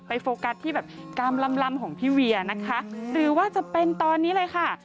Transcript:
โฟกัสที่แบบกามลำของพี่เวียนะคะหรือว่าจะเป็นตอนนี้เลยค่ะ